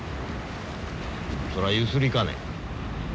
それはゆすりかね。